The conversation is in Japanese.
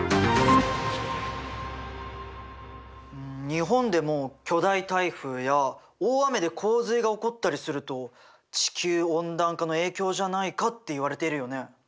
日本でも巨大台風や大雨で洪水が起こったりすると地球温暖化の影響じゃないかっていわれてるよね。